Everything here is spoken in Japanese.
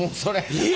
えっ！？